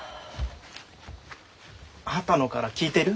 波多野から聞いてる？